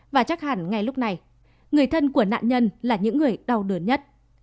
và chắc hẳn ngay lúc này người thân của nạn nhân là những người đau đớn nhất